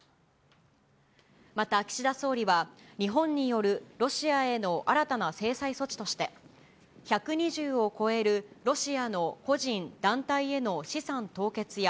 また岸田総理は、日本によるロシアへの新たな制裁措置として、１２０を超えるロシアの個人、団体への資産凍結や、